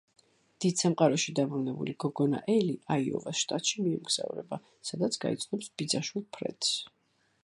დიდ სამყაროში დაბრუნებული გოგონა ელი აიოვას შტატში მიემგზავრება, სადაც გაიცნობს ბიძაშვილ ფრედს.